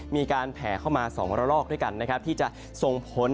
มีการแผ่เข้ามา๒รอกด้วยกันที่จะส่งผล